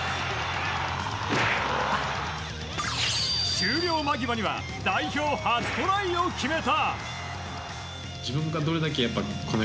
終了間際には代表初トライを決めた。